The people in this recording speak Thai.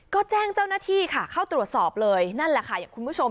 ก็แจ้งเจ้าหน้าที่ค่ะเข้าตรวจสอบเลยนั่นแหละค่ะอย่างคุณผู้ชม